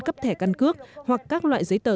cấp thẻ căn cước hoặc các loại giấy tờ